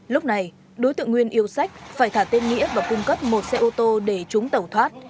lúc này đối tượng nguyên yêu sách phải thả tên nghĩa và cung cấp một xe ô tô để chúng tẩu thoát